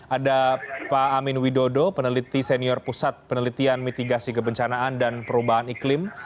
ada pak amin widodo peneliti senior pusat penelitian mitigasi kebencanaan dan perubahan iklim